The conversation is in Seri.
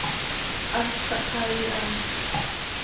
Hast xahxaii ha.